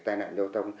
tai nạn giao thông